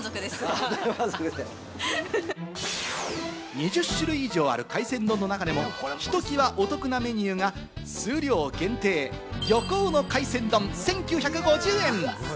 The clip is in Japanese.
２０種類以上ある海鮮丼の中でも、ひときわお得なメニューが数量限定、漁港の海鮮丼、１９５０円！